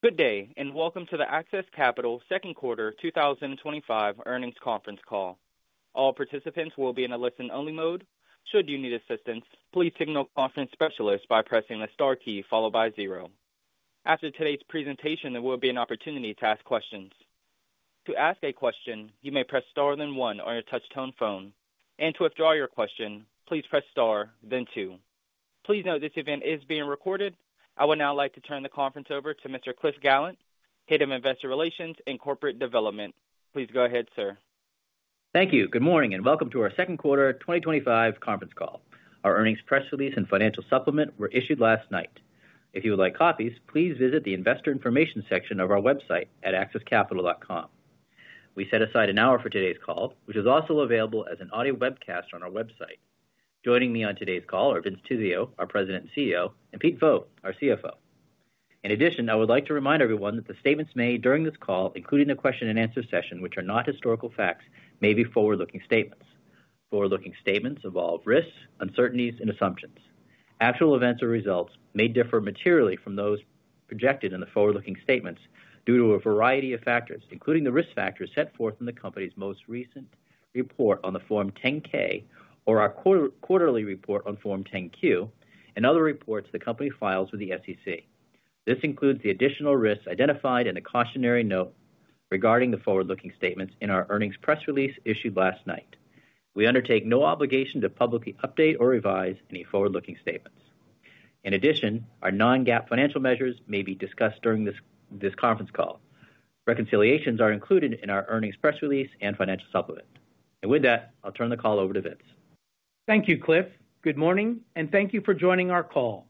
Good day and welcome to the AXIS Capital second quarter 2025 earnings conference call. All participants will be in a listen-only mode. Should you need assistance, please signal a conference specialist by pressing the star key followed by zero. After today's presentation, there will be an opportunity to ask questions. To ask a question, you may press star then one on your touch-tone phone. To withdraw your question, please press star then two. Please note this event is being recorded. I would now like to turn the conference over to Mr. Cliff Gallant, Head of Investor Relations and Corporate Development. Please go ahead, sir. Thank you. Good morning and welcome to our second quarter 2025 conference call. Our earnings press release and financial supplement were issued last night. If you would like copies, please visit the investor information section of our website at axiscapital.com. We set aside an hour for today's call, which is also available as an audio webcast on our website. Joining me on today's call are Vince Tizzio, our President and CEO, and Pete Vogt, our CFO. In addition, I would like to remind everyone that the statements made during this call, including the question and answer session, which are not historical facts, may be forward-looking statements. Forward-looking statements involve risks, uncertainties, and assumptions. Actual events or results may differ materially from those projected in the forward-looking statements due to a variety of factors, including the risk factors set forth in the company's most recent report on the Form 10-K or our quarterly report on Form 10-Q and other reports the company files with the SEC. This includes the additional risks identified in the cautionary note regarding the forward-looking statements in our earnings press release issued last night. We undertake no obligation to publicly update or revise any forward-looking statements. In addition, our non-GAAP financial measures may be discussed during this conference call. Reconciliations are included in our earnings press release and financial supplement. With that, I'll turn the call over to Vince. Thank you, Cliff. Good morning and thank you for joining our call.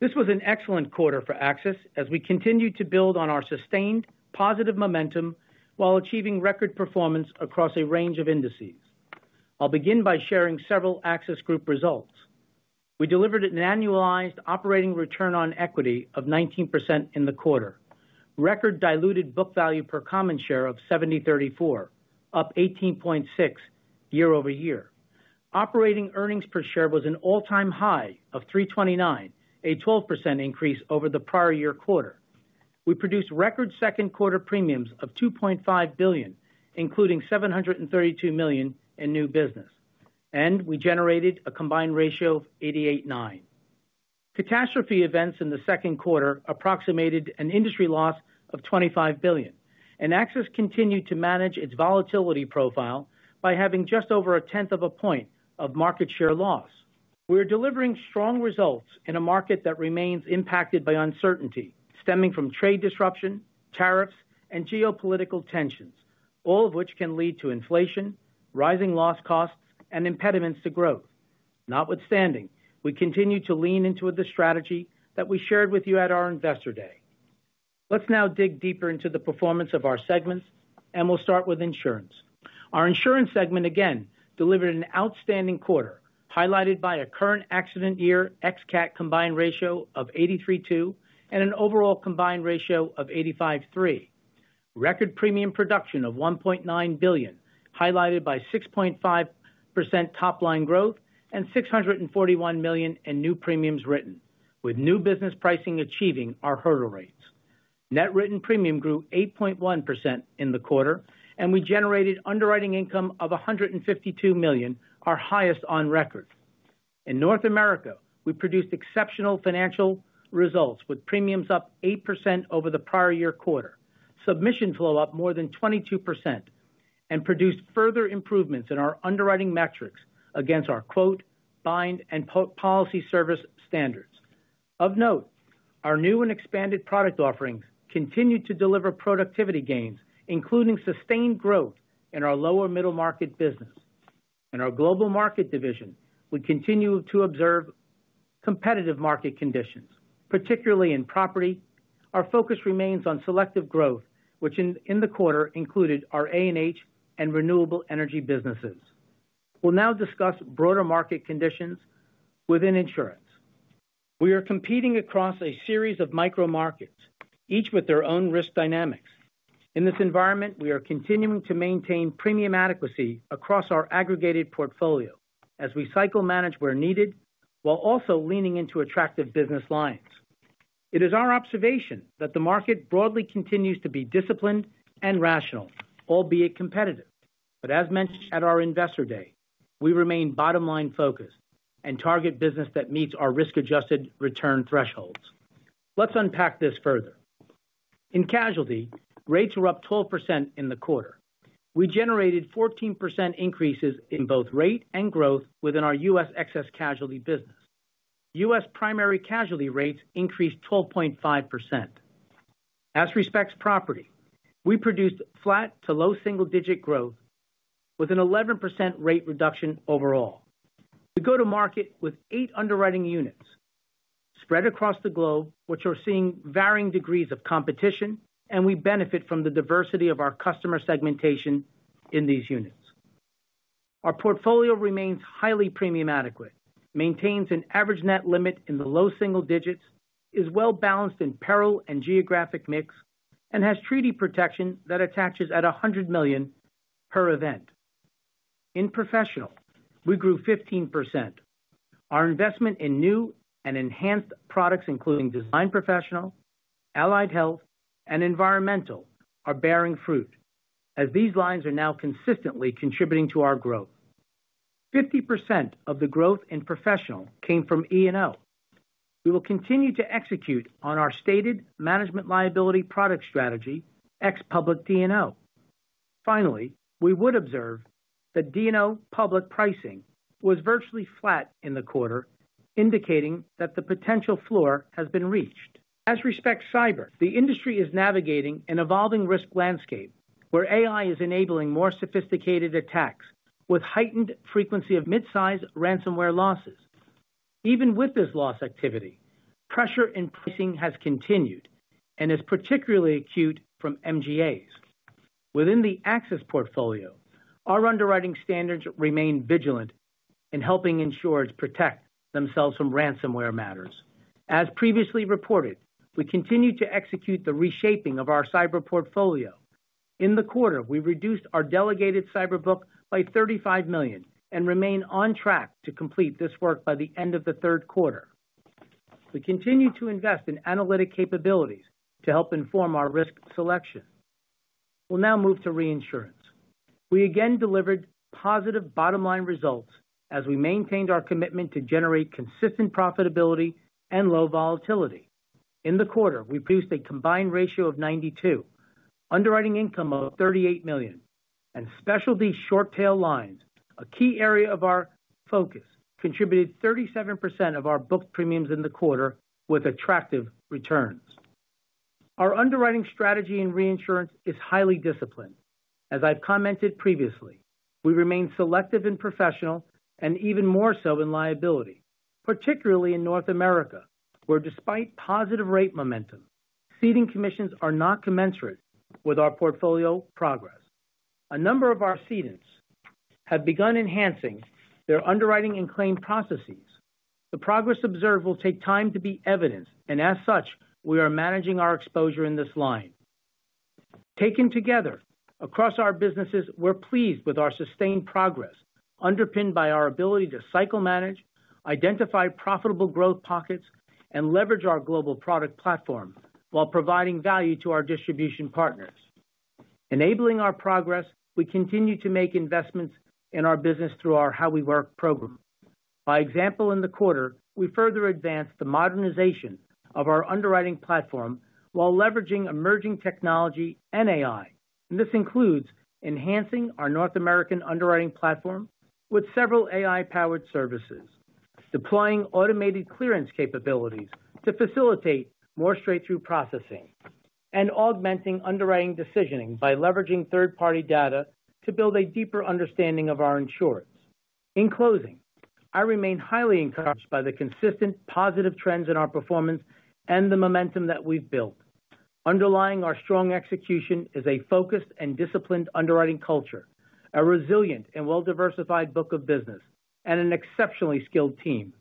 This was an excellent quarter for AXIS as we continued to build on our sustained positive momentum while achieving record performance across a range of indices. I'll begin by sharing several AXIS Group results. We delivered an annualized operating return on equity of 19% in the quarter. Record diluted book value per common share of $70.34, up 18.6% year-over-year. Operating earnings per share was an all-time high of $3.29, a 12% increase over the prior year quarter. We produced record second quarter premiums of $2.5 billion, including $732 million in new business, and we generated a combined ratio of 88.9%. Catastrophe events in the second quarter approximated an industry loss of $25 billion. AXIS continued to manage its volatility profile by having just over a tenth of a point of market share loss. We are delivering strong results in a market that remains impacted by uncertainty stemming from trade disruption, tariffs, and geopolitical tensions, all of which can lead to inflation, rising loss costs, and impediments to growth. Notwithstanding, we continue to lean into the strategy that we shared with you at our investor day. Let's now dig deeper into the performance of our segments, and we'll start with insurance. Our insurance segment again delivered an outstanding quarter, highlighted by a current accident year ex-cat combined ratio of 83.2% and an overall combined ratio of 85.3%. Record premium production of $1.9 billion, highlighted by 6.5% top-line growth and $641 million in new premiums written, with new business pricing achieving our hurdle rates. Net written premium grew 8.1% in the quarter, and we generated underwriting income of $152 million, our highest on record. In North America, we produced exceptional financial results with premiums up 8% over the prior year quarter, submission flow up more than 22%, and produced further improvements in our underwriting metrics against our quote, bind and policy service standards. Of note, our new and expanded product offerings continue to deliver productivity gains, including sustained growth in our lower middle market business. In our global market division, we continue to observe competitive market conditions, particularly in Property. Our focus remains on selective growth, which in the quarter included our A&H and renewable energy businesses. We'll now discuss broader market conditions within insurance. We are competing across a series of micro markets, each with their own risk dynamics. In this environment, we are continuing to maintain premium adequacy across our aggregated portfolio as we cycle manage where needed, while also leaning into attractive business lines. It is our observation that the market broadly continues to be disciplined and rational, albeit competitive. As mentioned at our investor day, we remain bottom-line focused and target business that meets our risk-adjusted return thresholds. Let's unpack this further. In casualty, rates were up 12% in the quarter. We generated 14% increases in both rate and growth within our U.S. excess casualty business. U.S. primary casualty rates increased 12.5%. As respects Property, we produced flat to low single-digit growth with an 11% rate reduction overall. We go to market with eight underwriting units spread across the globe, which are seeing varying degrees of competition, and we benefit from the diversity of our customer segmentation in these units. Our portfolio remains highly premium adequate, maintains an average net limit in the low single digits, is well balanced in parallel and geographic mix, and has treaty protection that attaches at $100 million per event. In professional, we grew 15%. Our investment in new and enhanced products, including design professional, allied health, and environmental, are bearing fruit as these lines are now consistently contributing to our growth. 50% of the growth in professional came from E&O. We will continue to execute on our stated management Liability product strategy, ex-public D&O. Finally, we would observe that D&O public pricing was virtually flat in the quarter, indicating that the potential floor has been reached. As respects cyber, the industry is navigating an evolving risk landscape where AI is enabling more sophisticated attacks with heightened frequency of mid-size ransomware losses. Even with this loss activity, pressure in pricing has continued and is particularly acute from MGAs. Within the AXIS portfolio, our underwriting standards remain vigilant in helping insurers protect themselves from ransomware matters. As previously reported, we continue to execute the reshaping of our cyber portfolio. In the quarter, we reduced our delegated cyber book by $35 million and remain on track to complete this work by the end of the third quarter. We continue to invest in analytic capabilities to help inform our risk selection. We'll now move to reinsurance. We again delivered positive bottom-line results as we maintained our commitment to generate consistent profitability and low volatility. In the quarter, we produced a combined ratio of 92%, underwriting income of $38 million, and specialty short-tail lines, a key area of our focus, contributed 37% of our book premiums in the quarter with attractive returns. Our underwriting strategy in reinsurance is highly disciplined. As I've commented previously, we remain selective in professional and even more so in Liability, particularly in North America, where despite positive rate momentum, ceding commissions are not commensurate with our portfolio progress. A number of our [cedents] have begun enhancing their underwriting and claim processes. The progress observed will take time to be evidenced, and as such, we are managing our exposure in this line. Taken together, across our businesses, we're pleased with our sustained progress underpinned by our ability to cycle manage, identify profitable growth pockets, and leverage our global product platform while providing value to our distribution partners. Enabling our progress, we continue to make investments in our business through our How We Work program. By example in the quarter, we further advanced the modernization of our underwriting platform while leveraging emerging technology and AI. This includes enhancing our North American underwriting platform with several AI-powered services, deploying automated clearance capabilities to facilitate more straight-through processing, and augmenting underwriting decisioning by leveraging third-party data to build a deeper understanding of our insurers. In closing, I remain highly encouraged by the consistent positive trends in our performance and the momentum that we've built. Underlying our strong execution is a focused and disciplined underwriting culture, a resilient and well-diversified book of business, and an exceptionally skilled team.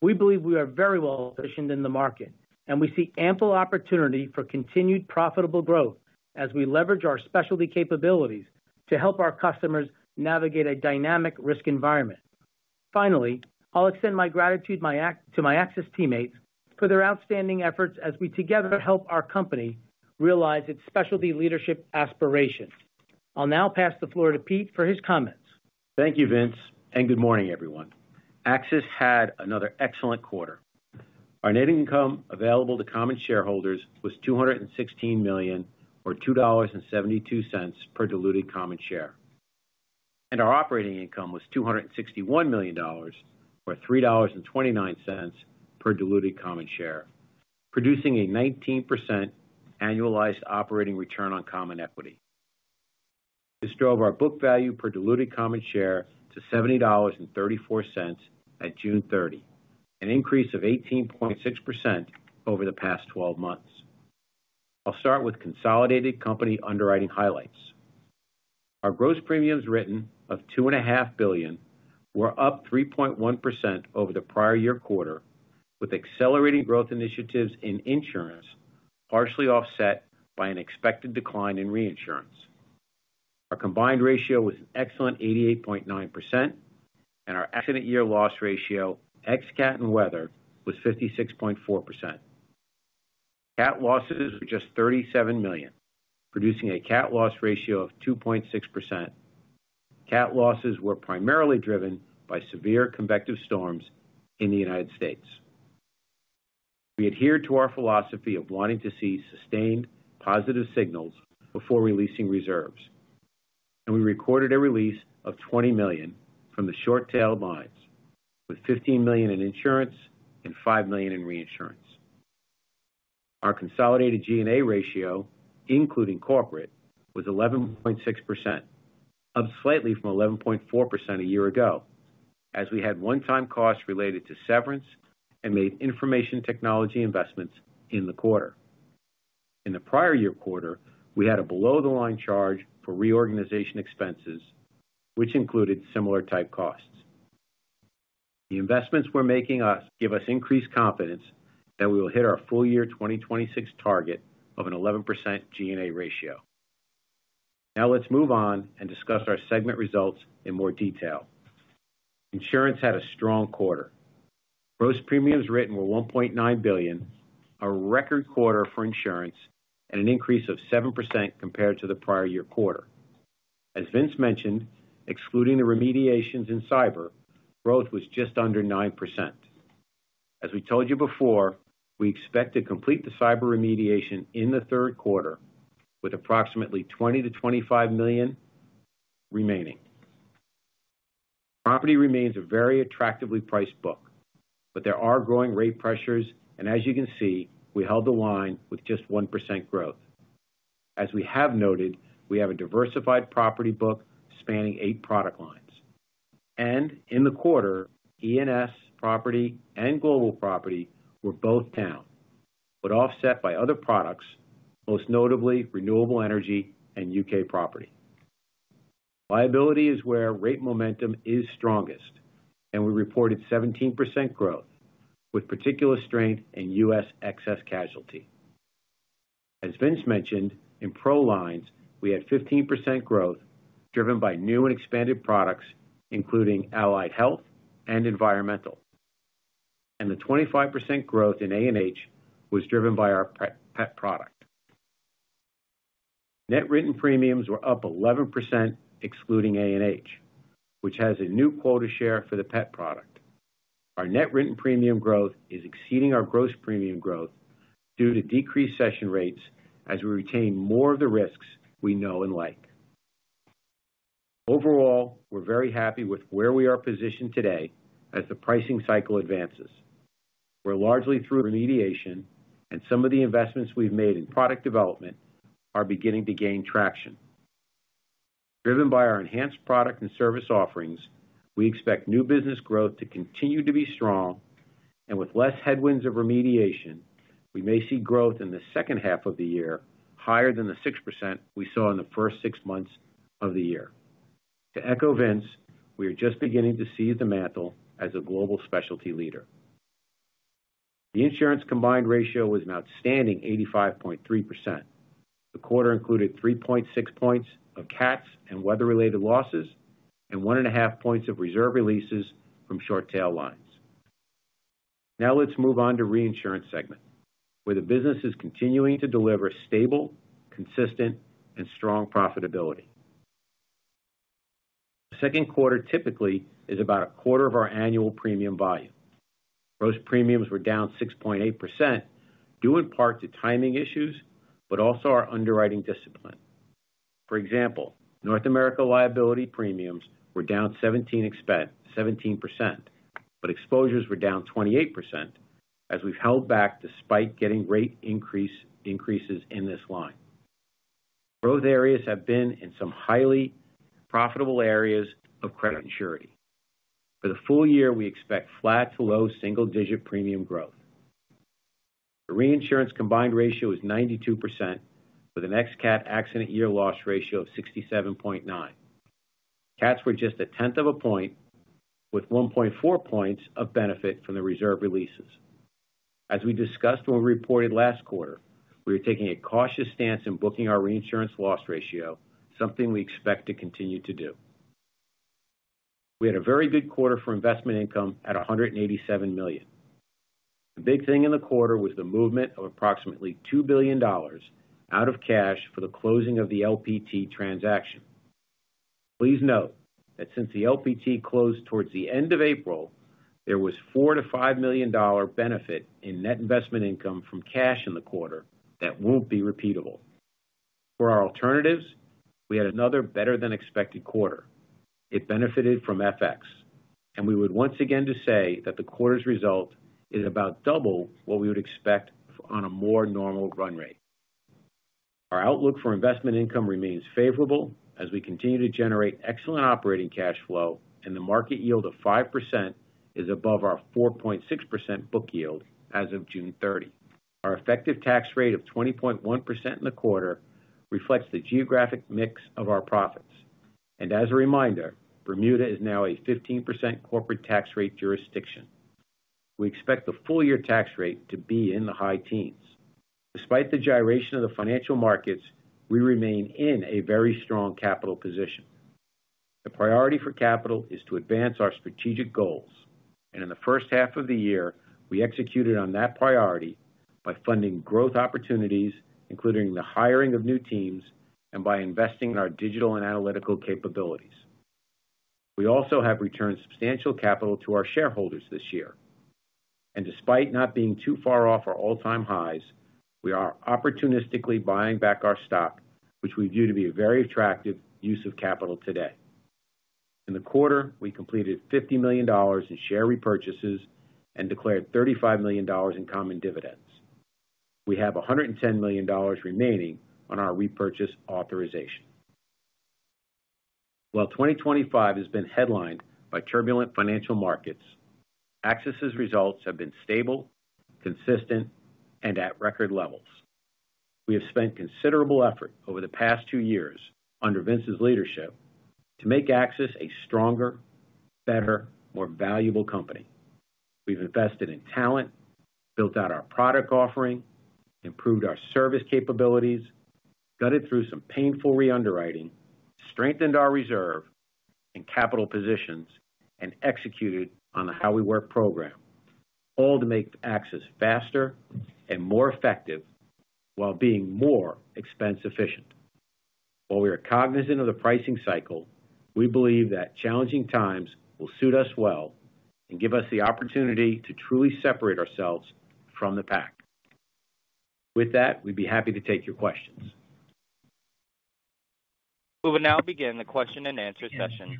We believe we are very well positioned in the market, and we see ample opportunity for continued profitable growth as we leverage our specialty capabilities to help our customers navigate a dynamic risk environment. Finally, I'll extend my gratitude to my AXIS teammates for their outstanding efforts as we together help our company realize its specialty leadership aspirations. I'll now pass the floor to Pete for his comments. Thank you, Vince, and good morning, everyone. AXIS had another excellent quarter. Our net income available to common shareholders was $216 million, or $2.72 per diluted common share. Our operating income was $261 million, or $3.29 per diluted common share, producing a 19% annualized operating return on common equity. This drove our book value per diluted common share to $70.34 at June 30, an increase of 18.6% over the past 12 months. I'll start with consolidated company underwriting highlights. Our gross premiums written of $2.5 billion were up 3.1% over the prior year quarter, with accelerating growth initiatives in insurance partially offset by an expected decline in reinsurance. Our combined ratio was an excellent 88.9%, and our accident year loss ratio ex-cat and weather was 56.4%. Cat losses were just $37 million, producing a cat loss ratio of 2.6%. Cat losses were primarily driven by severe convective storms in the United States. We adhered to our philosophy of wanting to see sustained positive signals before releasing reserves. We recorded a release of $20 million from the short-tail lines, with $15 million in insurance and $5 million in reinsurance. Our consolidated G&A ratio, including corporate, was 11.6%, up slightly from 11.4% a year ago, as we had one-time costs related to severance and made information technology investments in the quarter. In the prior year quarter, we had a below-the-line charge for reorganization expenses, which included similar type costs. The investments we're making give us increased confidence that we will hit our full year 2026 target of an 11% G&A ratio. Now let's move on and discuss our segment results in more detail. Insurance had a strong quarter. Gross premiums written were $1.9 billion, a record quarter for insurance, and an increase of 7% compared to the prior year quarter. As Vince mentioned, excluding the remediations in cyber, growth was just under 9%. As we told you before, we expect to complete the cyber remediation in the third quarter with approximately $20 million-$25 million remaining. Property remains a very attractively priced book, but there are growing rate pressures, and as you can see, we held the line with just 1% growth. As we have noted, we have a diversified Property book spanning eight product lines. In the quarter, E&S Property and global Property were both down, but offset by other products, most notably renewable energy and U.K. Property. Liability is where rate momentum is strongest, and we reported 17% growth with particular strength in U.S. excess casualty. As Vince mentioned, in Professional Lines, we had 15% growth driven by new and expanded products, including allied health and environmental. The 25% growth in A&H was driven by our pet product. Net written premiums were up 11% excluding A&H, which has a new quota share for the pet product. Our net written premium growth is exceeding our gross premium growth due to decreased session rates as we retain more of the risks we know and like. Overall, we're very happy with where we are positioned today as the pricing cycle advances. We're largely through remediation, and some of the investments we've made in product development are beginning to gain traction. Driven by our enhanced product and service offerings, we expect new business growth to continue to be strong, and with less headwinds of remediation, we may see growth in the second half of the year higher than the 6% we saw in the first six months of the year. To echo Vince, we are just beginning to seize the mantle as a global specialty leader. The insurance combined ratio was an outstanding 85.3%. The quarter included 3.6% points of cats and weather-related losses and 1.5% pts of reserve releases from short-tail lines. Now let's move on to the reinsurance segment, where the business is continuing to deliver stable, consistent, and strong profitability. The second quarter typically is about a quarter of our annual premium volume. Gross premiums were down 6.8% due in part to timing issues, but also our underwriting discipline. For example, North America Liability premiums were down 17%, but exposures were down 28% as we've held back despite getting rate increases in this line. Growth areas have been in some highly profitable areas of credit insurity. For the full year, we expect flat to low single-digit premium growth. The reinsurance combined ratio is 92% with an ex-cat accident year loss ratio of 67.9%. Cats were just a tenth of a point, with 1.4 pts of benefit from the reserve releases. As we discussed when we reported last quarter, we are taking a cautious stance in booking our reinsurance loss ratio, something we expect to continue to do. We had a very good quarter for investment income at $187 million. The big thing in the quarter was the movement of approximately $2 billion out of cash for the closing of the LPT transaction. Please note that since the LPT closed towards the end of April, there was a $4 million-$5 million benefit in net investment income from cash in the quarter that won't be repeatable. For our alternatives, we had another better-than-expected quarter. It benefited from FX. We would once again say that the quarter's result is about double what we would expect on a more normal run rate. Our outlook for investment income remains favorable as we continue to generate excellent operating cash flow, and the market yield of 5% is above our 4.6% book yield as of June 30. Our effective tax rate of 20.1% in the quarter reflects the geographic mix of our profits. As a reminder, Bermuda is now a 15% corporate tax rate jurisdiction. We expect the full year tax rate to be in the high teens. Despite the gyration of the financial markets, we remain in a very strong capital position. The priority for capital is to advance our strategic goals. In the first half of the year, we executed on that priority by funding growth opportunities, including the hiring of new teams, and by investing in our digital and analytical capabilities. We also have returned substantial capital to our shareholders this year. Despite not being too far off our all-time highs, we are opportunistically buying back our stock, which we view to be a very attractive use of capital today. In the quarter, we completed $50 million in share repurchases and declared $35 million in common dividends. We have $110 million remaining on our repurchase authorization. While 2025 has been headlined by turbulent financial markets, AXIS's results have been stable, consistent, and at record levels. We have spent considerable effort over the past two years under Vince's leadership to make AXIS a stronger, better, more valuable company. We've invested in talent, built out our product offering, improved our service capabilities, gutted through some painful re-underwriting, strengthened our reserve and capital positions, and executed on the How We Work program, all to make AXIS faster and more effective while being more expense efficient. While we are cognizant of the pricing cycle, we believe that challenging times will suit us well and give us the opportunity to truly separate ourselves from the pack. With that, we'd be happy to take your questions. We will now begin the question and answer session.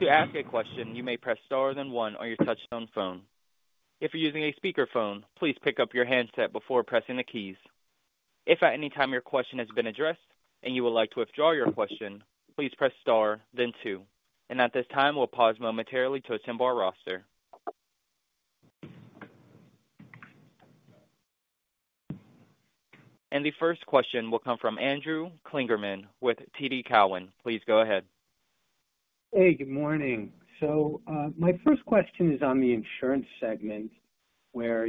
To ask a question, you may press star then one on your touch-tone phone. If you're using a speaker phone, please pick up your handset before pressing the keys. If at any time your question has been addressed and you would like to withdraw your question, please press star then two. At this time, we'll pause momentarily to a timed bar roster. The first question will come from Andrew Kligerman with TD Cowen. Please go ahead. Good morning. My first question is on the insurance segment where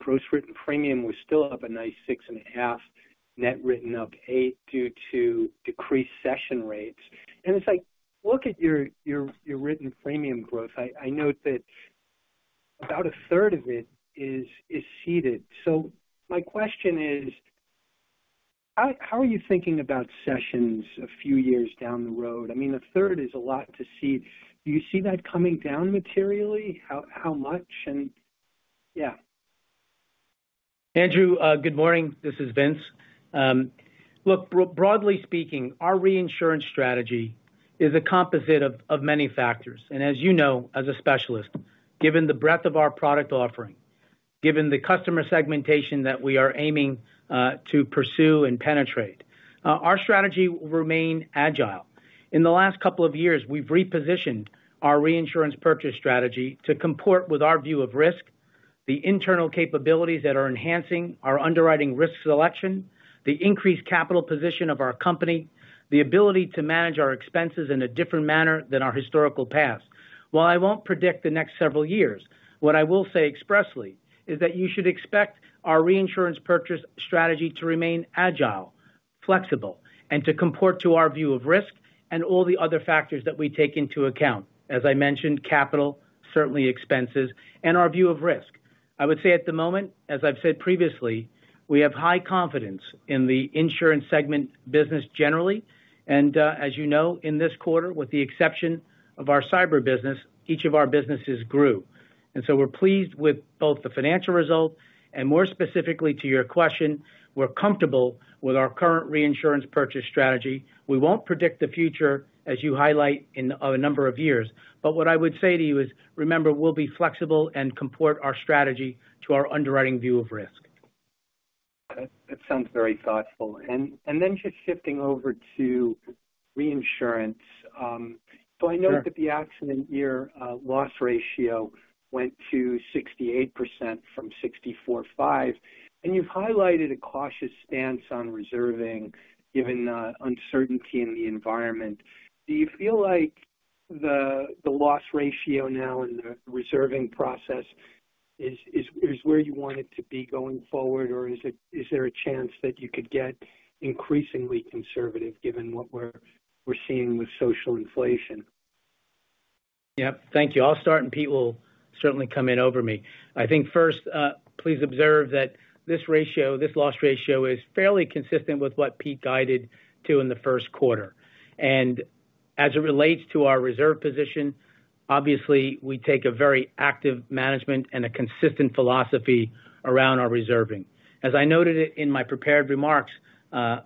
gross written premium was still up a nice 6.5%, net written up 8% due to decreased session rates. As I look at your written premium growth, I note that about 1/3 of it is ceded. My question is, how are you thinking about sessions a few years down the road? I mean, 1/3 is a lot to cede. Do you see that coming down materially, how much? Andrew, good morning. This is Vince. Look, broadly speaking, our reinsurance strategy is a composite of many factors. As you know, as a specialist, given the breadth of our product offering, given the customer segmentation that we are aiming to pursue and penetrate, our strategy will remain agile. In the last couple of years, we've repositioned our reinsurance purchase strategy to comport with our view of risk, the internal capabilities that are enhancing our underwriting risk selection, the increased capital position of our company, the ability to manage our expenses in a different manner than our historical past. While I won't predict the next several years, what I will say expressly is that you should expect our reinsurance purchase strategy to remain agile, flexible, and to comport to our view of risk and all the other factors that we take into account. As I mentioned, capital, certainly expenses, and our view of risk. I would say at the moment, as I've said previously, we have high confidence in the insurance segment business generally. As you know, in this quarter, with the exception of our cyber insurance business, each of our businesses grew. We're pleased with both the financial result and more specifically to your question, we're comfortable with our current reinsurance purchase strategy. We won't predict the future as you highlight in a number of years. What I would say to you is, remember, we'll be flexible and comport our strategy to our underwriting view of risk. That sounds very thoughtful. Just shifting over to reinsurance, I know that the accident year loss ratio went to 68% from 64.5%. You've highlighted a cautious stance on reserving given the uncertainty in the environment. Do you feel like the loss ratio now in the reserving process is where you want it to be going forward, or is there a chance that you could get increasingly conservative given what we're seeing with social inflation? Thank you. I'll start, and Pete will certainly come in over me. I think first, please observe that this ratio, this loss ratio is fairly consistent with what Pete guided to in the first quarter. As it relates to our reserve position, obviously, we take a very active management and a consistent philosophy around our reserving. As I noted in my prepared remarks,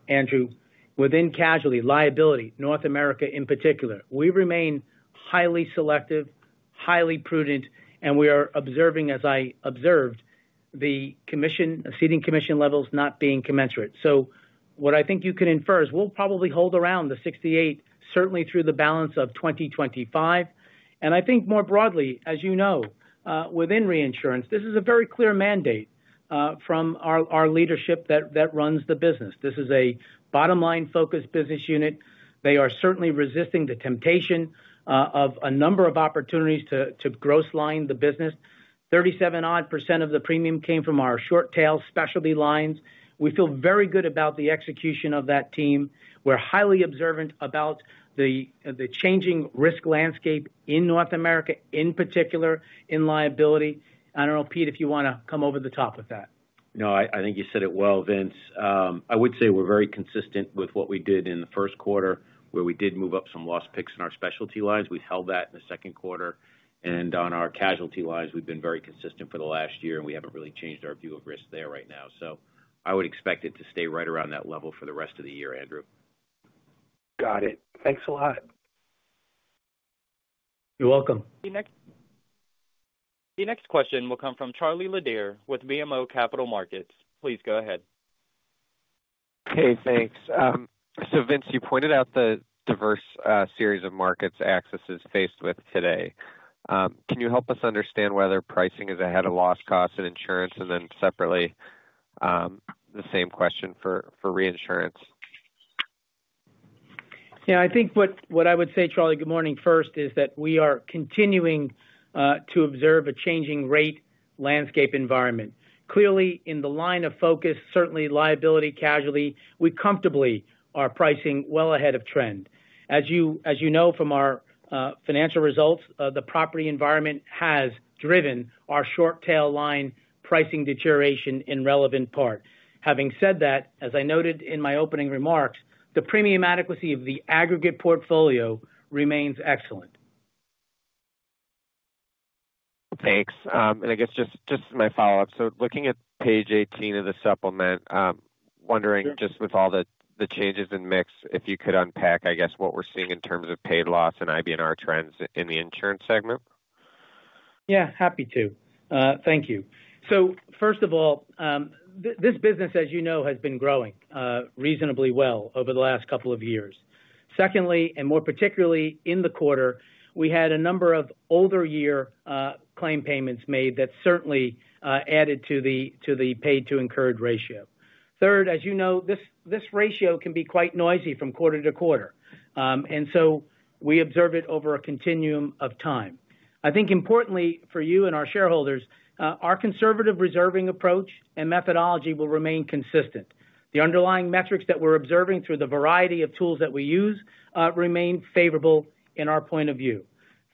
Andrew, within casualty Liability, North America in particular, we remain highly selective, highly prudent, and we are observing, as I observed, the seeding commission levels not being commensurate. What I think you can infer is we'll probably hold around the 68%, certainly through the balance of 2025. I think more broadly, as you know, within reinsurance, this is a very clear mandate from our leadership that runs the business. This is a bottom-line focused business unit. They are certainly resisting the temptation of a number of opportunities to gross line the business. 37% of the premium came from our short-tail specialty lines. We feel very good about the execution of that team. We're highly observant about the changing risk landscape in North America, in particular in Liability. I don't know, Pete, if you want to come over the top with that. No, I think you said it well, Vince. I would say we're very consistent with what we did in the first quarter, where we did move up some loss picks in our specialty lines. We've held that in the second quarter. On our casualty lines, we've been very consistent for the last year, and we haven't really changed our view of risk there right now. I would expect it to stay right around that level for the rest of the year, Andrew. Got it. Thanks a lot. You're welcome. The next question will come from Charlie Lederer with BMO Capital Markets. Please go ahead. Thanks. Vince, you pointed out the diverse series of markets AXIS is faced with today. Can you help us understand whether pricing is ahead of loss costs in insurance, and then separately the same question for reinsurance? Yeah, I think what I would say, Charlie, good morning first, is that we are continuing to observe a changing rate landscape environment. Clearly, in the line of focus, certainly Liability casualty, we comfortably are pricing well ahead of trend. As you know from our financial results, the Property environment has driven our short-tail line pricing deterioration in relevant part. Having said that, as I noted in my opening remarks, the premium adequacy of the aggregate portfolio remains excellent. Thanks. I guess just my follow-up. Looking at page 18 of the supplement, wondering just with all the changes in mix, if you could unpack what we're seeing in terms of paid loss and [IB&R] trends in the insurance segment. Yeah, happy to. Thank you. First of all, this business, as you know, has been growing reasonably well over the last couple of years. Secondly, and more particularly in the quarter, we had a number of older year claim payments made that certainly added to the paid-to-incurred ratio. Third, as you know, this ratio can be quite noisy from quarter to quarter. We observe it over a continuum of time. I think importantly for you and our shareholders, our conservative reserving approach and methodology will remain consistent. The underlying metrics that we're observing through the variety of tools that we use remain favorable in our point of view.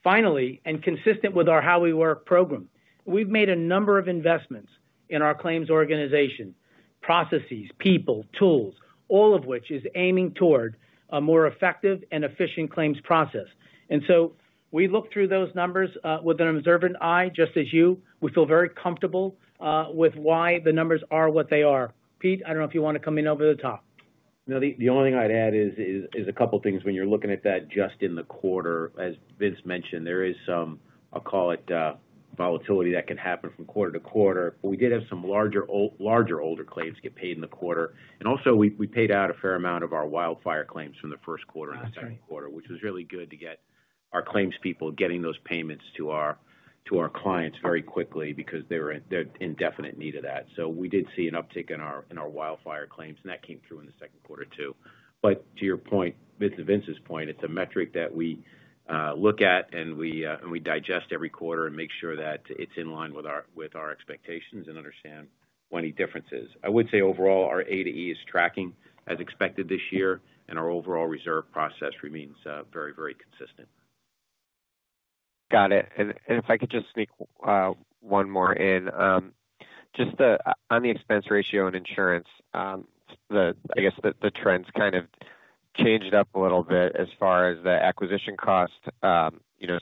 Finally, and consistent with our How We Work program, we've made a number of investments in our claims organization, processes, people, tools, all of which is aiming toward a more effective and efficient claims process. We look through those numbers with an observant eye, just as you. We feel very comfortable with why the numbers are what they are. Pete, I don't know if you want to come in over the top. No, the only thing I'd add is a couple of things. When you're looking at that just in the quarter, as Vince mentioned, there is some, I'll call it, volatility that can happen from quarter to quarter. We did have some larger older claims get paid in the quarter. Also, we paid out a fair amount of our wildfire claims from the first quarter in the second quarter, which was really good to get our claims people getting those payments to our clients very quickly because they're in definite need of that. We did see an uptick in our wildfire claims, and that came through in the second quarter too. To your point, to Vince's point, it's a metric that we look at and we digest every quarter and make sure that it's in line with our expectations and understand when a difference is. I would say overall, our [A to E] is tracking as expected this year, and our overall reserve process remains very, very consistent. Got it. If I could just sneak one more in, just on the expense ratio and insurance, I guess the trends kind of changed up a little bit as far as the acquisition costs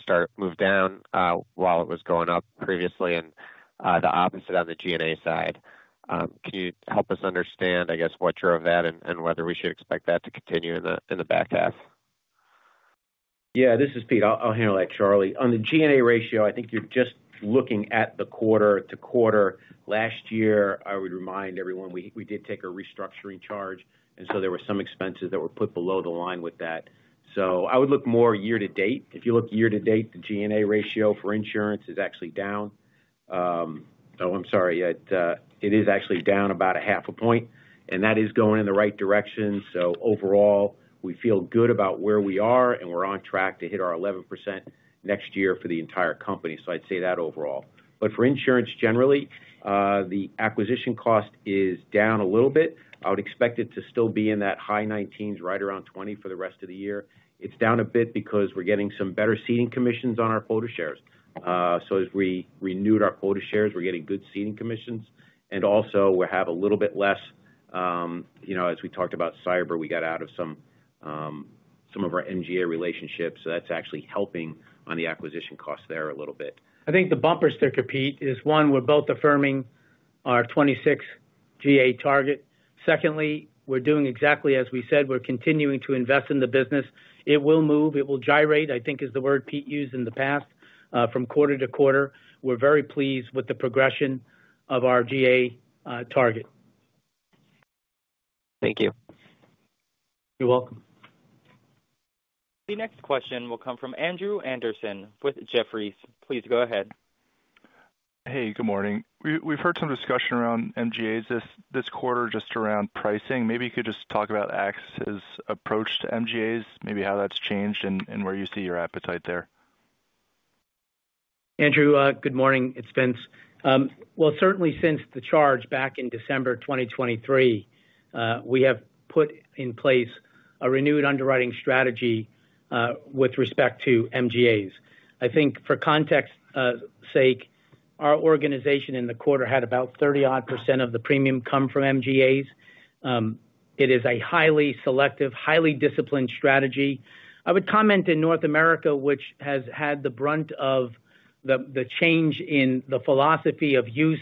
started to move down while it was going up previously, and the opposite on the G&A side. Can you help us understand what drove that and whether we should expect that to continue in the back half? Yeah, this is Pete. I'll handle that, Charlie. On the G&A ratio, I think you're just looking at the quarter to quarter. Last year, I would remind everyone, we did take a restructuring charge, and there were some expenses that were put below the line with that. I would look more year to date. If you look year to date, the G&A ratio for insurance is actually down. Oh, I'm sorry. It is actually down about 0.5, and that is going in the right direction. Overall, we feel good about where we are, and we're on track to hit our 11% next year for the entire company. I'd say that overall. For insurance generally, the acquisition cost is down a little bit. I would expect it to still be in that high 19%s, right around 20% for the rest of the year. It's down a bit because we're getting some better seeding commissions on our quota shares. As we renewed our quota shares, we're getting good seeding commissions. Also, we have a little bit less, you know, as we talked about Cyber, we got out of some of our MGA relationships. That's actually helping on the acquisition costs there a little bit. I think the bumpers there, Pete, is one, we're both affirming our 2026 GA target. Secondly, we're doing exactly as we said. We're continuing to invest in the business. It will move. It will gyrate, I think is the word Pete used in the past, from quarter to quarter. We're very pleased with the progression of our GA target. Thank you. You're welcome. The next question will come from Andrew Andersen with Jefferies. Please go ahead. Hey, good morning. We've heard some discussion around MGAs this quarter just around pricing. Maybe you could just talk about AXIS's approach to MGAs, maybe how that's changed and where you see your appetite there. Andrew, good morning. It's Vince. Since the charge back in December 2023, we have put in place a renewed underwriting strategy with respect to MGAs. I think for context's sake, our organization in the quarter had about 30% of the premium come from MGAs. It is a highly selective, highly disciplined strategy. I would comment in North America, which has had the brunt of the change in the philosophy of use.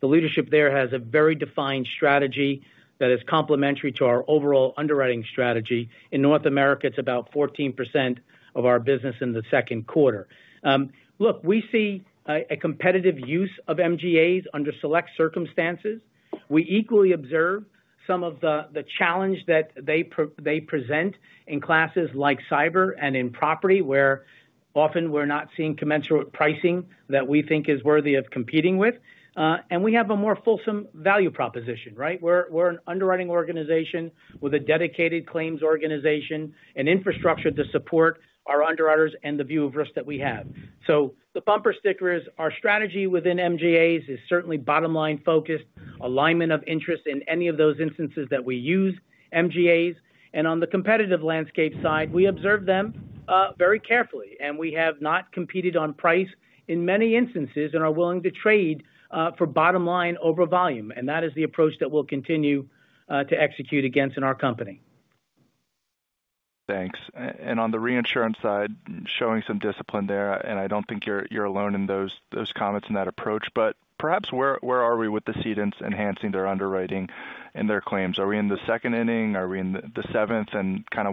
The leadership there has a very defined strategy that is complementary to our overall underwriting strategy. In North America, it's about 14% of our business in the second quarter. We see a competitive use of MGAs under select circumstances. We equally observe some of the challenge that they present in classes like Cyber and in Property, where often we're not seeing commensurate pricing that we think is worthy of competing with. We have a more fulsome value proposition, right? We're an underwriting organization with a dedicated claims organization and infrastructure to support our underwriters and the view of risk that we have. The bumper stickers, our strategy within MGAs is certainly bottom-line focused, alignment of interest in any of those instances that we use MGAs. On the competitive landscape side, we observe them very carefully. We have not competed on price in many instances and are willing to trade for bottom line over volume. That is the approach that we'll continue to execute against in our company. Thanks. On the reinsurance side, showing some discipline there, and I don't think you're alone in those comments and that approach. Perhaps where are we with the cedants enhancing their underwriting and their claims? Are we in the second inning? Are we in the seventh?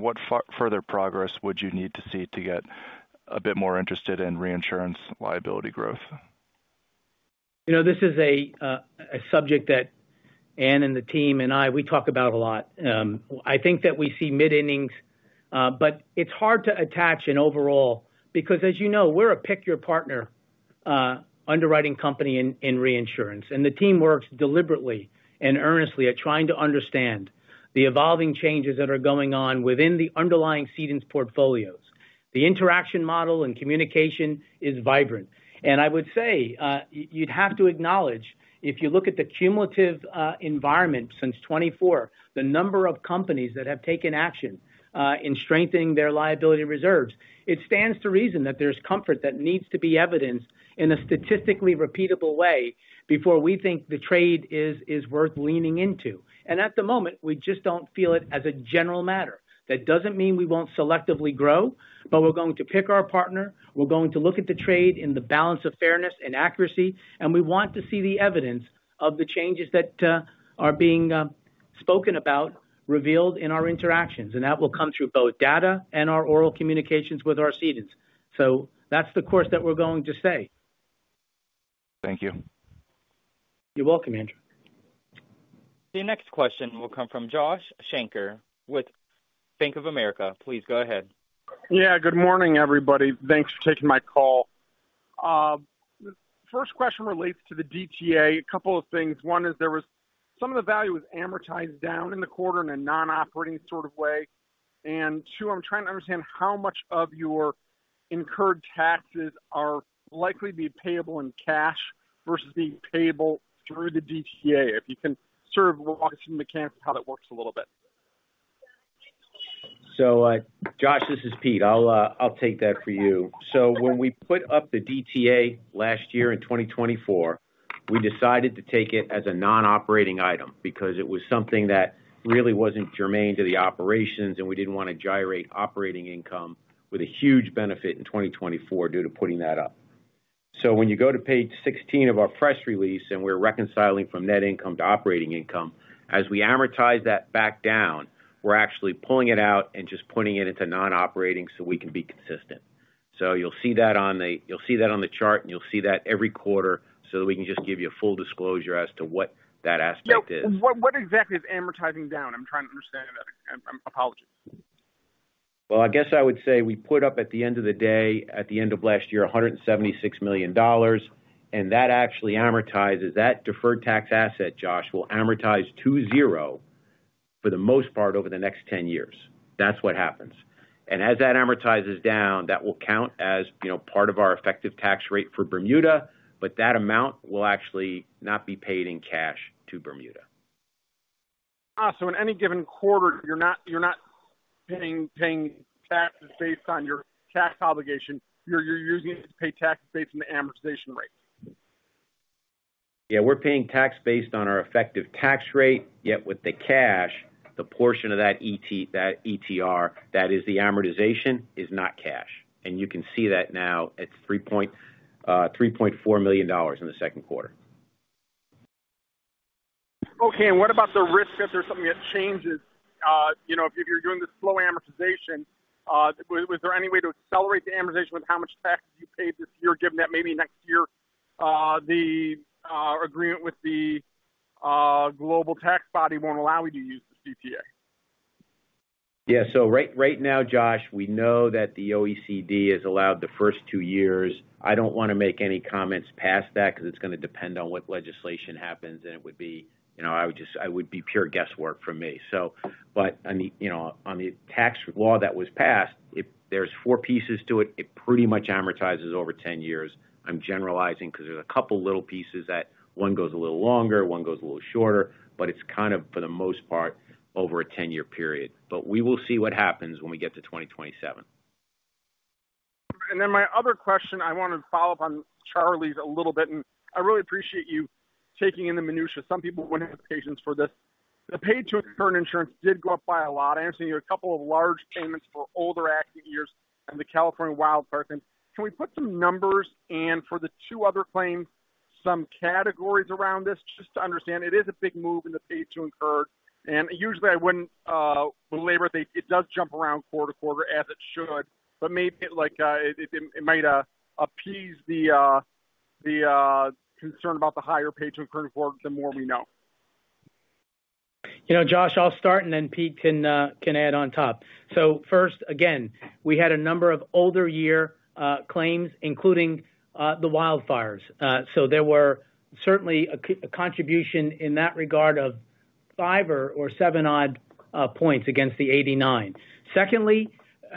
What further progress would you need to see to get a bit more interested in reinsurance Liability growth? This is a subject that Ann and the team and I talk about a lot. I think that we see mid-innings, but it's hard to attach an overall because, as you know, we're a pick-your-partner underwriting company in reinsurance. The team works deliberately and earnestly at trying to understand the evolving changes that are going on within the underlying cedants' portfolios. The interaction model and communication is vibrant. You'd have to acknowledge, if you look at the cumulative environment since 2024, the number of companies that have taken action in strengthening their Liability reserves, it stands to reason that there's comfort that needs to be evidenced in a statistically repeatable way before we think the trade is worth leaning into. At the moment, we just don't feel it as a general matter. That doesn't mean we won't selectively grow, but we're going to pick our partner. We're going to look at the trade in the balance of fairness and accuracy. We want to see the evidence of the changes that are being spoken about revealed in our interactions. That will come through both data and our oral communications with our cedants. That's the course that we're going to say. Thank you. You're welcome, Andrew. The next question will come from Josh Shanker with Bank of America. Please go ahead. Good morning, everybody. Thanks for taking my call. First question relates to the DTA. A couple of things. One is some of the value was amortized down in the quarter in a non-operating sort of way. Two, I'm trying to understand how much of your incurred taxes are likely to be payable in cash versus being payable through the DTA. If you can walk us through the mechanics of how that works a little bit. Josh, this is Pete. I'll take that for you. When we put up the DTA last year in 2024, we decided to take it as a non-operating item because it was something that really wasn't germane to the operations, and we didn't want to gyrate operating income with a huge benefit in 2024 due to putting that up. When you go to page 16 of our press release, and we're reconciling from net income to operating income, as we amortize that back down, we're actually pulling it out and just putting it into non-operating so we can be consistent. You'll see that on the chart, and you'll see that every quarter so that we can just give you a full disclosure as to what that aspect is. What exactly is amortizing down? I'm trying to understand that. Apologies. I guess I would say we put up at the end of the day, at the end of last year, $176 million. That actually amortizes that deferred tax asset, Josh, will amortize to zero for the most part over the next 10 years. That's what happens. As that amortizes down, that will count as part of our effective tax rate for Bermuda, but that amount will actually not be paid in cash to Bermuda. Awesome. In any given quarter, you're not paying taxes based on your tax obligation. You're using it to pay taxes based on the amortization rate. Yeah, we're paying tax based on our effective tax rate, yet with the cash, the portion of that ETR that is the amortization is not cash. You can see that now. It's $3.4 million in the second quarter. Okay. What about the risk if there's something that changes? If you're doing this slow amortization, was there any way to accelerate the amortization with how much tax have you paid this year, given that maybe next year the agreement with the global tax body won't allow you to use the CTA? Yeah. Right now, Josh, we know that the OECD has allowed the first two years. I don't want to make any comments past that because it's going to depend on what legislation happens, and it would be, you know, I would just be pure guesswork for me. On the tax law that was passed, if there's four pieces to it, it pretty much amortizes over 10 years. I'm generalizing because there's a couple of little pieces that one goes a little longer, one goes a little shorter, but it's kind of, for the most part, over a 10-year period. We will see what happens when we get to 2027. I wanted to follow up on Charlie's a little bit, and I really appreciate you taking in the minutia. Some people wouldn't have patience for this. The paid-to-incurred insurance did go up by a lot, answering you a couple of large payments for older active years and the California wildfire things. Can we put some numbers in for the two other claims, some categories around this just to understand? It is a big move in the paid-to-incurred. Usually, I wouldn't belabor it. It does jump around quarter to quarter as it should, but maybe it might appease the concern about the higher paid-to-incurred quarter the more we know. You know, Josh, I'll start and then Pete can add on top. First, again, we had a number of older year claims, including the wildfires. There were certainly a contribution in that regard of 5 odd points or 7 odd points against the 89%. Secondly,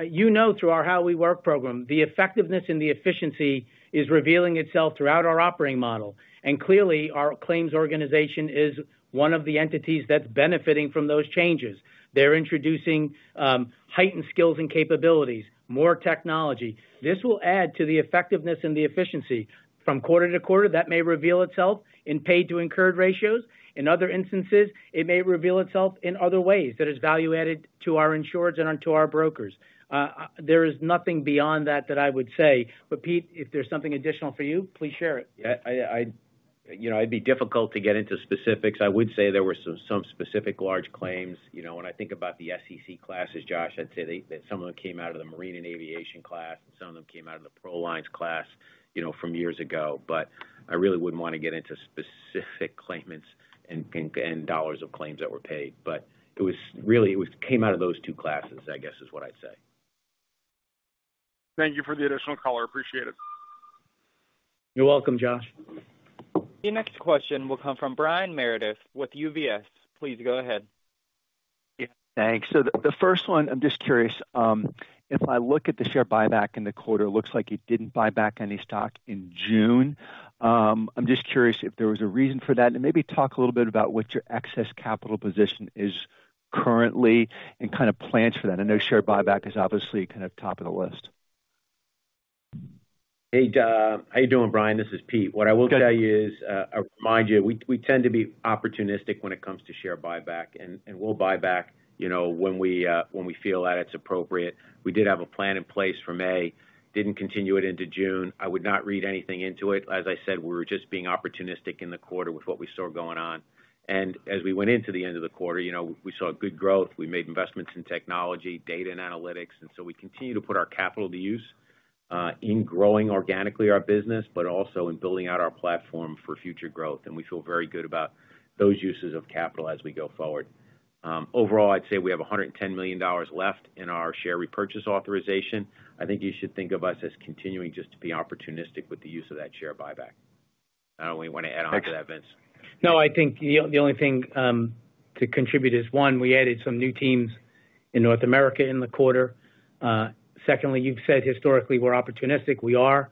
you know, through our How We Work program, the effectiveness and the efficiency is revealing itself throughout our operating model. Clearly, our claims organization is one of the entities that's benefiting from those changes. They're introducing heightened skills and capabilities, more technology. This will add to the effectiveness and the efficiency. From quarter to quarter, that may reveal itself in paid-to-incurred ratios. In other instances, it may reveal itself in other ways that is value added to our insurers and onto our brokers. There is nothing beyond that that I would say. Pete, if there's something additional for you, please share it. Yeah, you know, it'd be difficult to get into specifics. I would say there were some specific large claims. You know, when I think about the SEC classes, Josh, I'd say that some of them came out of the Marine & Aviation class, and some of them came out of the Professional Lines class from years ago. I really wouldn't want to get into specific claimants and dollars of claims that were paid. It was really, it came out of those two classes, I guess, is what I'd say. Thank you for the additional call. I appreciate it. You're welcome, Josh. The next question will come from Brian Meredith with UBS. Please go ahead. Yeah, thanks. The first one, I'm just curious. If I look at the share buyback in the quarter, it looks like you didn't buy back any stock in June. I'm just curious if there was a reason for that. Maybe talk a little bit about what your excess capital position is currently and kind of plans for that. I know share buyback is obviously kind of top of the list. Hey, how you doing, Brian? This is Pete. What I will tell you is, I remind you, we tend to be opportunistic when it comes to share buyback. We'll buy back, you know, when we feel that it's appropriate. We did have a plan in place for May. Didn't continue it into June. I would not read anything into it. As I said, we were just being opportunistic in the quarter with what we saw going on. As we went into the end of the quarter, you know, we saw good growth. We made investments in technology, data, and analytics. We continue to put our capital to use, in growing organically our business, but also in building out our platform for future growth. We feel very good about those uses of capital as we go forward. Overall, I'd say we have $110 million left in our share repurchase authorization. I think you should think of us as continuing just to be opportunistic with the use of that share buyback. I don't know. We want to add on to that, Vince. No, I think the only thing to contribute is, one, we added some new teams in North America in the quarter. Secondly, you've said historically we're opportunistic. We are.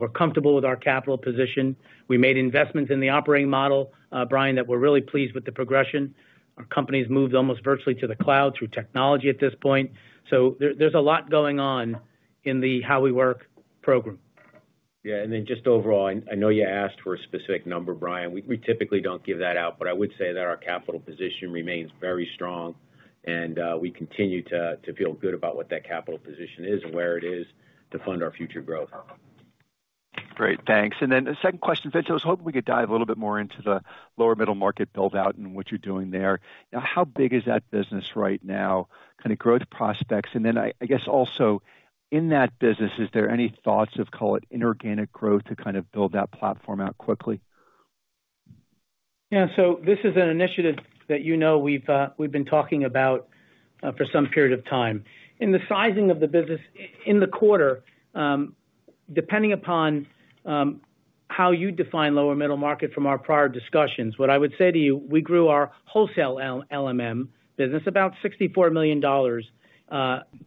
We're comfortable with our capital position. We made investments in the operating model, Brian, that we're really pleased with the progression. Our company's moved almost virtually to the cloud through technology at this point. There's a lot going on in the How We Work program. Yeah, just overall, I know you asked for a specific number, Brian. We typically don't give that out, but I would say that our capital position remains very strong. We continue to feel good about what that capital position is and where it is to fund our future growth. Great, thanks. The second question, Vince, I was hoping we could dive a little bit more into the lower middle market build-out and what you're doing there. How big is that business right now? Kind of growth prospects? In that business, is there any thoughts of, call it, inorganic growth to kind of build that platform out quickly? This is an initiative that we've been talking about for some period of time. In the sizing of the business in the quarter, depending upon how you define lower middle market from our prior discussions, what I would say to you, we grew our wholesale LMM business about $64 million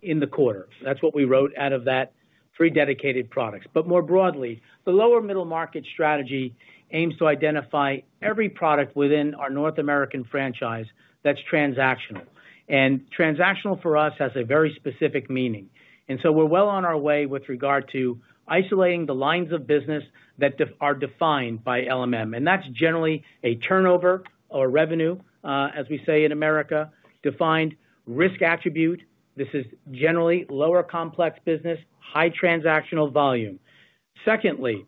in the quarter. That's what we wrote out of that three dedicated products. More broadly, the lower middle market strategy aims to identify every product within our North American franchise that's transactional. Transactional for us has a very specific meaning. We're well on our way with regard to isolating the lines of business that are defined by LMM. That's generally a turnover or revenue, as we say in America, defined risk attribute. This is generally lower complex business, high transactional volume. Secondly,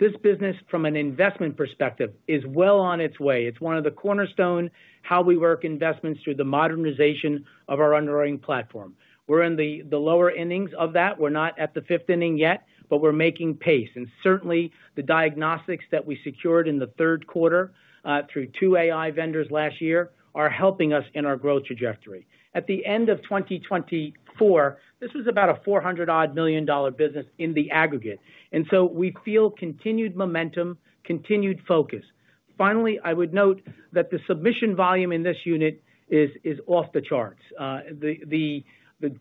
this business from an investment perspective is well on its way. It's one of the cornerstone How We Work investments through the modernization of our underwriting platform. We're in the lower innings of that. We're not at the fifth inning yet, but we're making pace. Certainly, the diagnostics that we secured in the third quarter through two AI vendors last year are helping us in our growth trajectory. At the end of 2024, this was about a $400 million business in the aggregate. We feel continued momentum, continued focus. Finally, I would note that the submission volume in this unit is off the charts. The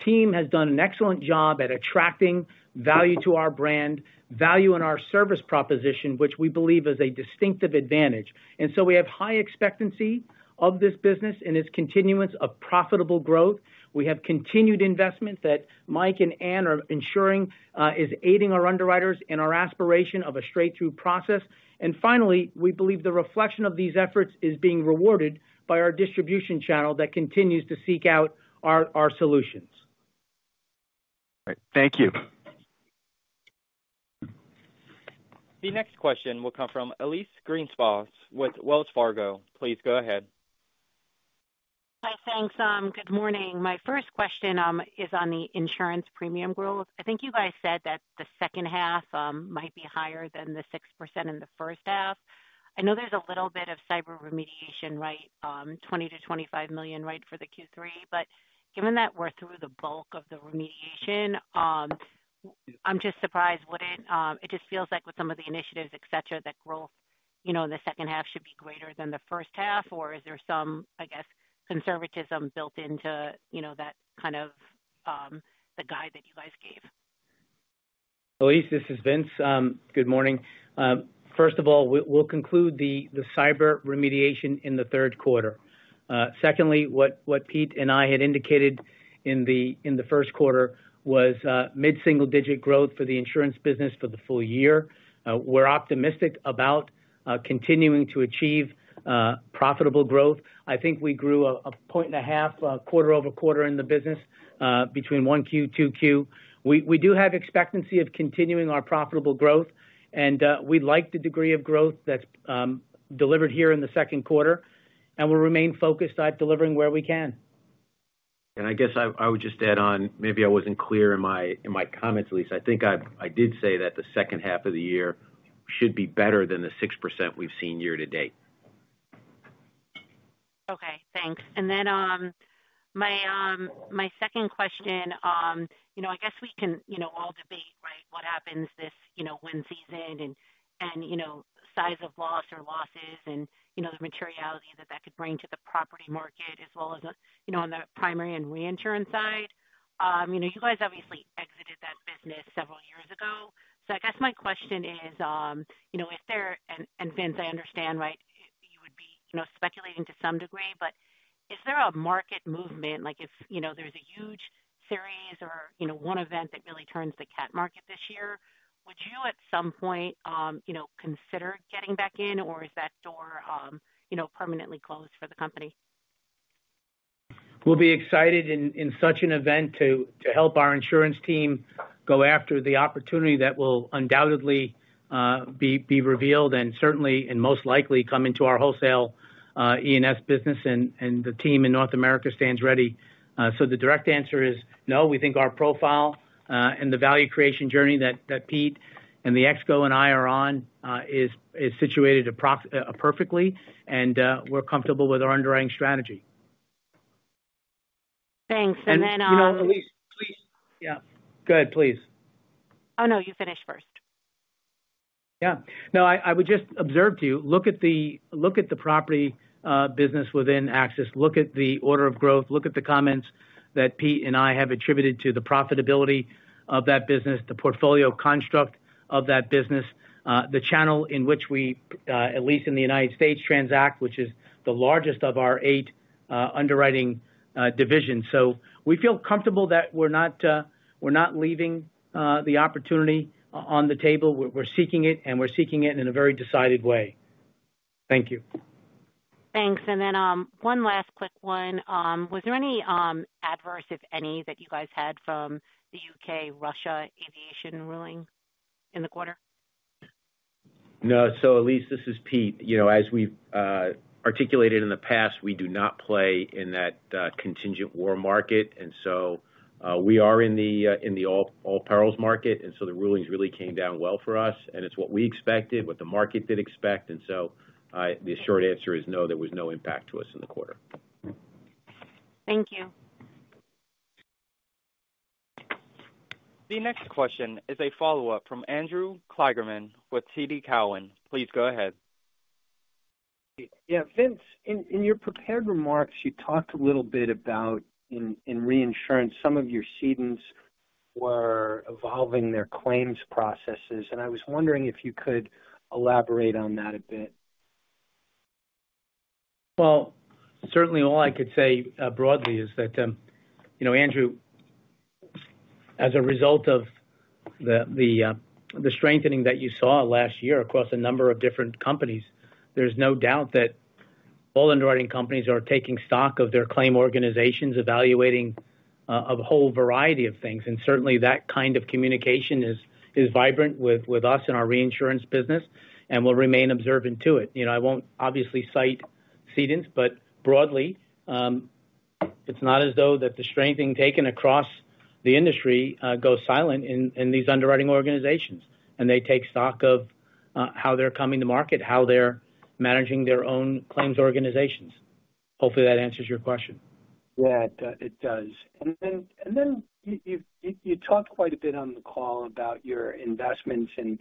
team has done an excellent job at attracting value to our brand, value in our service proposition, which we believe is a distinctive advantage. We have high expectancy of this business and its continuance of profitable growth. We have continued investments that Mike and Ann are ensuring is aiding our underwriters in our aspiration of a straight-through process. Finally, we believe the reflection of these efforts is being rewarded by our distribution channel that continues to seek out our solutions. All right, thank you. The next question will come from Elyse Greenspan with Wells Fargo. Please go ahead. Hi, thanks. Good morning. My first question is on the insurance premium growth. I think you guys said that the second half might be higher than the 6% in the first half. I know there's a little bit of Cyber remediation, right? $20 million-$25 million, right, for Q3. Given that we're through the bulk of the remediation, I'm just surprised. Would it just feel like with some of the initiatives, etc., that growth in the second half should be greater than the first half? Is there some, I guess, conservatism built into that kind of the guide that you guys gave? Elyse, this is Vince. Good morning. First of all, we'll conclude the cyber remediation in the third quarter. Secondly, what Pete and I had indicated in the first quarter was mid-single-digit growth for the insurance business for the full year. We're optimistic about continuing to achieve profitable growth. I think we grew a point and a half quarter-over-quarter in the business between 1Q, 2Q. We do have expectancy of continuing our profitable growth. We like the degree of growth that's delivered here in the second quarter. We'll remain focused on delivering where we can. I would just add on, maybe I wasn't clear in my comments, Elyse. I think I did say that the second half of the year should be better than the 6% we've seen year to date. Okay, thanks. My second question, I guess we can all debate what happens this wind season and size of loss or losses and the materiality that could bring to the Property market as well as on the primary and reinsurance side. You guys obviously exited that business several years ago. My question is, if there, and Vince, I understand you would be speculating to some degree, but is there a market movement? If there's a huge series or one event that really turns the cat market this year, would you at some point consider getting back in, or is that door permanently closed for the company? will be excited in such an event to help our insurance team go after the opportunity that will undoubtedly be revealed and certainly most likely come into our wholesale E&S business. The team in North America stands ready. The direct answer is no. We think our profile and the value creation journey that Pete and the [ExCo] and I are on is situated perfectly. We're comfortable with our underwriting strategy. Thanks. Then. Elyse, please. Go ahead, please. Oh, no, you finish first. Yeah. No, I would just observe to you, look at the Property business within AXIS. Look at the order of growth. Look at the comments that Pete and I have attributed to the profitability of that business, the portfolio construct of that business, the channel in which we, at least in the U.S., transact, which is the largest of our eight underwriting divisions. We feel comfortable that we're not leaving the opportunity on the table. We're seeking it, and we're seeking it in a very decided way. Thank you. Thanks. One last quick one. Was there any adverse, if any, that you guys had from the U.K.-Russia aviation ruling in the quarter? No. Elyse, this is Pete. As we've articulated in the past, we do not play in that contingent war market. We are in the all-perils market. The rulings really came down well for us. It's what we expected, what the market did expect. The short answer is no, there was no impact to us in the quarter. Thank you. The next question is a follow-up from Andrew Kligerman with TD Cowen. Please go ahead. Yeah, Vince, in your prepared remarks, you talked a little bit about in reinsurance, some of your cedants were evolving their claims processes. I was wondering if you could elaborate on that a bit. Certainly, all I could say broadly is that, you know, Andrew, as a result of the strengthening that you saw last year across a number of different companies, there's no doubt that all underwriting companies are taking stock of their claim organizations, evaluating a whole variety of things. That kind of communication is vibrant with us and our reinsurance business, and we'll remain observant to it. I won't obviously cite cedants, but broadly, it's not as though the strengthening taken across the industry goes silent in these underwriting organizations. They take stock of how they're coming to market, how they're managing their own claims organizations. Hopefully, that answers your question. Yeah, it does. You talked quite a bit on the call about your investments in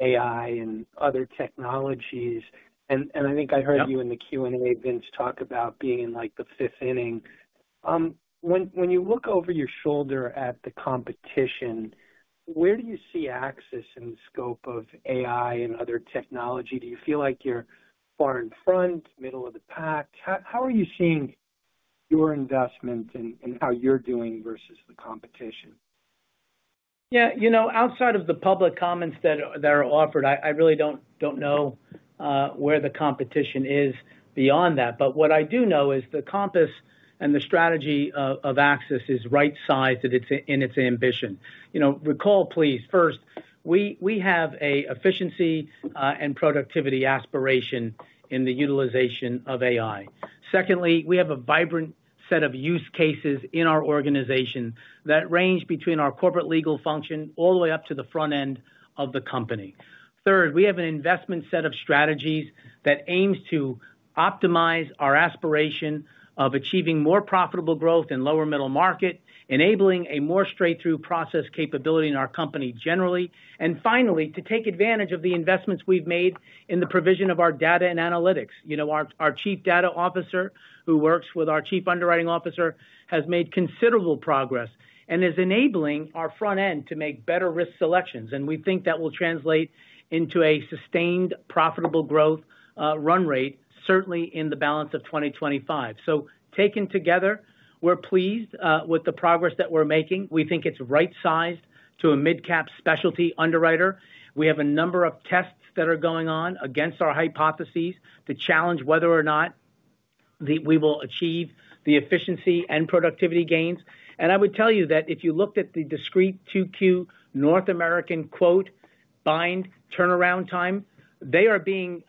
AI and other technologies. I think I heard you in the Q&A, Vince, talk about being in like the fifth inning. When you look over your shoulder at the competition, where do you see AXIS in the scope of AI and other technology? Do you feel like you're far in front, middle of the pack? How are you seeing your investments and how you're doing versus the competition? Yeah, you know, outside of the public comments that are offered, I really don't know where the competition is beyond that. What I do know is the compass and the strategy of AXIS is right-sized in its ambition. Recall, please, first, we have an efficiency and productivity aspiration in the utilization of AI. Secondly, we have a vibrant set of use cases in our organization that range between our corporate legal function all the way up to the front end of the company. Third, we have an investment set of strategies that aims to optimize our aspiration of achieving more profitable growth in lower middle market, enabling a more straight-through process capability in our company generally. Finally, to take advantage of the investments we've made in the provision of our data and analytics. Our Chief Data Officer, who works with our Chief Underwriting Officer, has made considerable progress and is enabling our front end to make better risk selections. We think that will translate into a sustained profitable growth run rate, certainly in the balance of 2025. Taken together, we're pleased with the progress that we're making. We think it's right-sized to a mid-cap specialty underwriter. We have a number of tests that are going on against our hypotheses to challenge whether or not we will achieve the efficiency and productivity gains. I would tell you that if you looked at the discrete 2Q North America quote bind turnaround time, they are being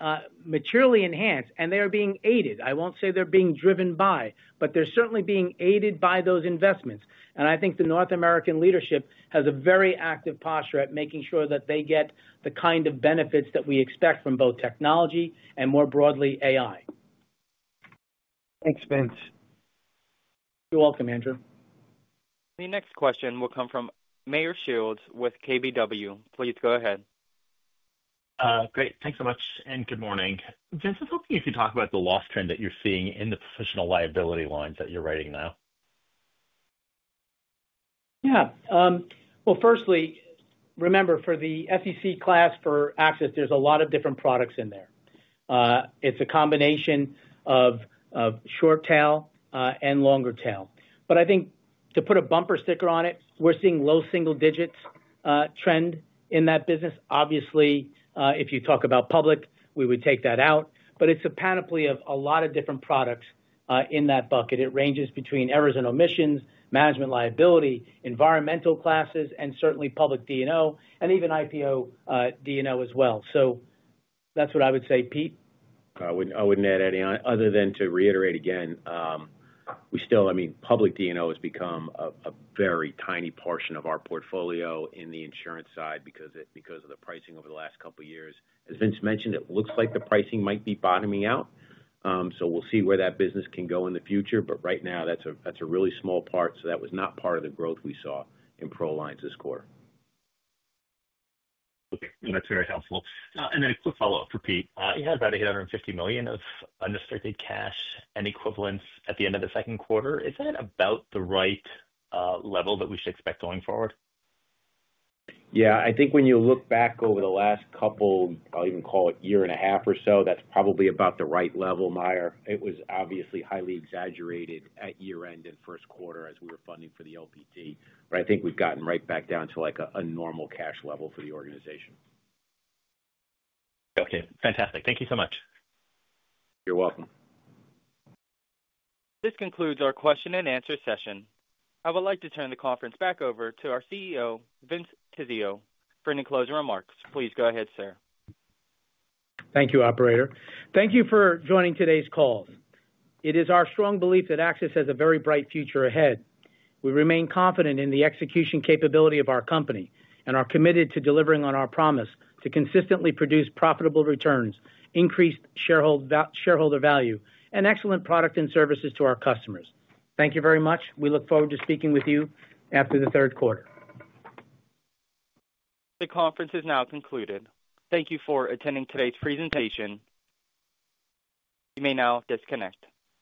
materially enhanced, and they are being aided. I won't say they're being driven by, but they're certainly being aided by those investments. I think the North America leadership has a very active posture at making sure that they get the kind of benefits that we expect from both technology and more broadly AI. Thanks, Vince. You're welcome, Andrew. The next question will come from Meyer Shields with KBW. Please go ahead. Great. Thanks so much. Good morning. Vince, I was hoping you could talk about the loss trend that you're seeing in the professional Liability lines that you're writing now. Yeah. Firstly, remember for the SEC class for AXIS, there's a lot of different products in there. It's a combination of short-tail and longer-tail. I think to put a bumper sticker on it, we're seeing low single-digits trend in that business. Obviously, if you talk about public, we would take that out. It's a panoply of a lot of different products in that bucket. It ranges between errors and omissions, management Liability, environmental classes, and certainly public D&O, and even IPO D&O as well. That's what I would say, Pete. I wouldn't add any other than to reiterate again, we still, I mean, public D&O has become a very tiny portion of our portfolio in the insurance side because of the pricing over the last couple of years. As Vince mentioned, it looks like the pricing might be bottoming out. We will see where that business can go in the future. Right now, that's a really small part. That was not part of the growth we saw in Professional Lines this quarter. Okay. That's very helpful. A quick follow-up for Pete. You had about $850 million of unrestricted cash and equivalents at the end of the second quarter. Is that about the right level that we should expect going forward? Yeah, I think when you look back over the last couple, I'll even call it a year and a half or so, that's probably about the right level, Meyer. It was obviously highly exaggerated at year-end and first quarter as we were funding for the LPT. I think we've gotten right back down to like a normal cash level for the organization. Okay. Fantastic. Thank you so much. You're welcome. This concludes our question and answer session. I would like to turn the conference back over to our CEO, Vince Tizzio, for any closing remarks. Please go ahead, sir. Thank you, operator. Thank you for joining today's calls. It is our strong belief that AXIS has a very bright future ahead. We remain confident in the execution capability of our company and are committed to delivering on our promise to consistently produce profitable returns, increased shareholder value, and excellent product and services to our customers. Thank you very much. We look forward to speaking with you after the third quarter. The conference is now concluded. Thank you for attending today's presentation. You may now disconnect.